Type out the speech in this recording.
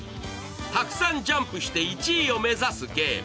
たくさんジャンプして１位を目指すゲーム。